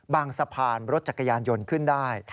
สะพานรถจักรยานยนต์ขึ้นได้